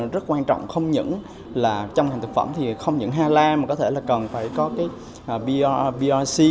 rất quan trọng không những là trong hàng thực phẩm thì không những hala mà có thể là cần phải có cái brc